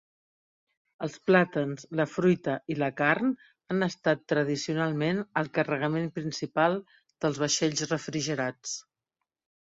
Els plàtans, la fruita i la carn han estat tradicionalment el carregament principal dels vaixells refrigerats.